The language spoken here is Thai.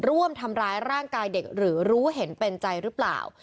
ร่วมทำร้ายร่างกายเด็กหรือรู้เห็นเป็นใจหรือเปล่า